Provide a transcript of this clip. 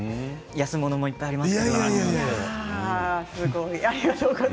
安物もいっぱいあります。